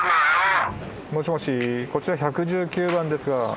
もしもしこちら１１９番ですが。